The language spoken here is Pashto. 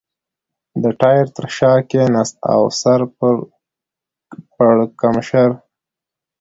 د ټایر تر شا کېناست او د سر پړکمشر.